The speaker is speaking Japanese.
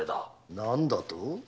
何だと？